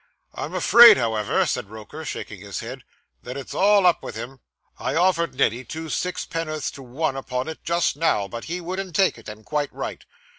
'I'm afraid, however,' said Roker, shaking his head, 'that it's all up with him. I offered Neddy two six penn'orths to one upon it just now, but he wouldn't take it, and quite right.